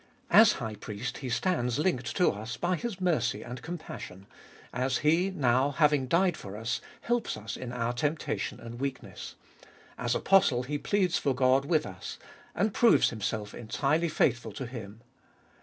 As High Priest He stands linked to us by His mercy and compassion, as He now, having died for us, helps us in our temptation and weakness ; as Apostle He pleads for God with us, and proves Himself entirely faithful to Him.